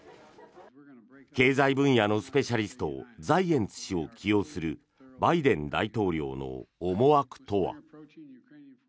経済分野のスペシャリストザイエンツ氏を起用するバイデン大統領の思惑とは。